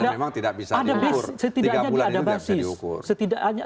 ya dan memang tidak bisa diukur